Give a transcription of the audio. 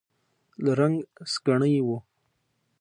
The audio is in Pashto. له رنګ سکڼۍ و.